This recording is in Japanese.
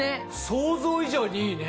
想像以上にいいね！